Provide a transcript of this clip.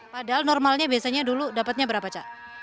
padahal normalnya biasanya dulu dapatnya berapa cak